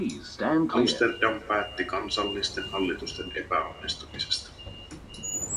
Amsterdam päätti kansallisten hallitusten epäonnistumisesta.